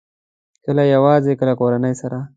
کله یوازې، کله کورنۍ سره